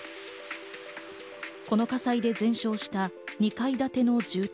この火災で全焼した２階建ての住宅。